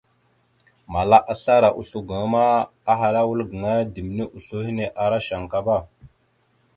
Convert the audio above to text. Mala asla ara oslo gaŋa ma ahala a wal gaŋa ya ɗimne oslo hine ara shankaba.